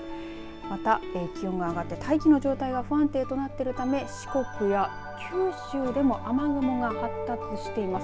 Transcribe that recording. また、気温が上がって大気の状態が不安定となっているため四国や九州でも雨雲が発達しています。